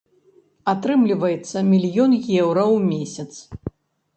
Атрымліваецца мільён еўра ў месяц.